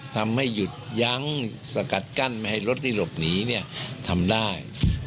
ทำให้หยุดยั้งสกัดกั้นไม่ให้รถที่หลบหนีเนี่ยทำได้